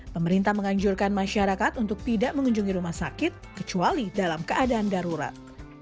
pemerintah menganjurkan masyarakat untuk tidak mengunjungi rumah sakit kecuali dalam keadaan darurat